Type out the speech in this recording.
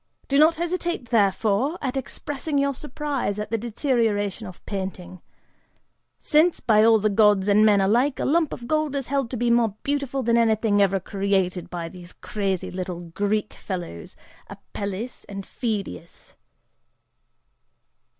Do not hesitate, therefore, at expressing your surprise at the deterioration of painting, since, by all the gods and men alike, a lump of gold is held to be more beautiful than anything ever created by those crazy little Greek fellows, Apelles and Phydias!"